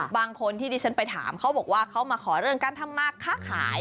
บางคนที่ดิฉันไปถามเขาบอกว่าเขามาขอเรื่องการทำมาค้าขาย